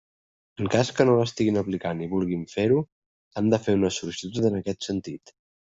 En cas que no l'estiguin aplicant i vulguin fer-ho, han de fer una sol·licitud en aquest sentit.